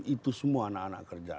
itu semua anak anak kerja